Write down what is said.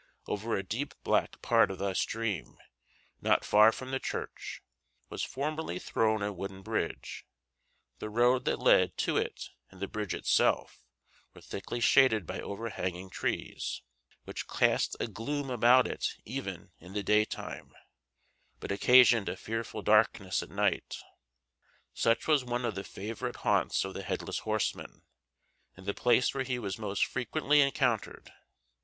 Over a deep black part of the stream, not far from the church, was formerly thrown a wooden bridge; the road that led to it and the bridge itself were thickly shaded by overhanging trees, which cast a gloom about it even in the daytime, but occasioned a fearful darkness at night. Such was one of the favorite haunts of the headless horseman, and the place where he was most frequently encountered.